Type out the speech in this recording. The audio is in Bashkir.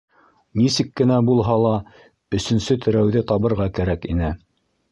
Нисек кенә булһа ла өсөнсө терәүҙе табырға кәрәк ине.